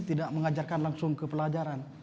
tidak mengajarkan langsung ke pelajaran